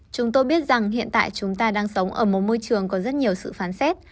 chúng tôi biết rằng hiện tại chúng ta đang sống ở một môi trường có rất nhiều sự phán xét